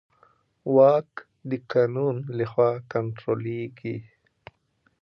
واک د قانون له خوا کنټرولېږي.